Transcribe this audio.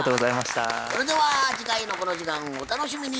それでは次回のこの時間をお楽しみに。